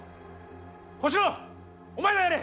小四郎お前がやれ！